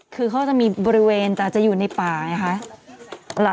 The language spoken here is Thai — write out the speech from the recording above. คือเขาจะมีบริเวณจะอยู่ในป่า